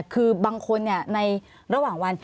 คือบางคนในระหว่างวัน